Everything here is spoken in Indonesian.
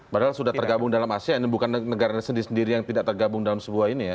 padahal sudah tergabung dalam asean ini bukan negaranya sendiri sendiri yang tidak tergabung dalam sebuah ini ya